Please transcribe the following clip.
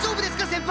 先輩！